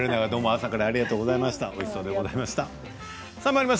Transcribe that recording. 朝からありがとうございました。